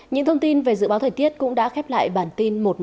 những thông tin về dự báo thời tiết cũng đã khép lại bản tin